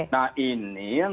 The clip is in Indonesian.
nah ini yang